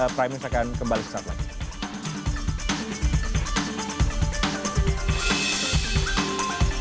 prime news akan kembali sesaat lagi